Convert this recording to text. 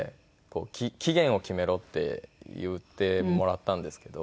「期限を決めろ」って言ってもらったんですけど。